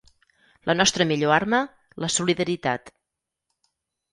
La nostra millor arma, la solidaritat.